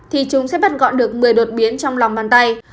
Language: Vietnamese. thì chúng sẽ bắt gọn được một mươi đột biến trong lòng bàn tay